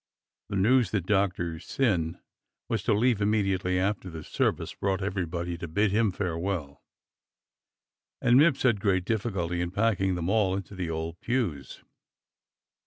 The news that Doctor Syn was to leave immedi ately after the service brought everybody to bid him farewell, and Mipps had great difficulty in packing them all into the old pews.